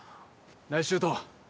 ナイスシュート。